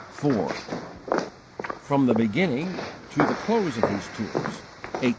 From the beginning to the close of these tours: 1875 92.